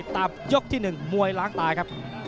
ยกที่๑มวยล้างตายครับ